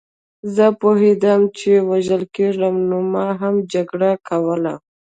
زه پوهېدم چې وژل کېږم نو ما هم جګړه کوله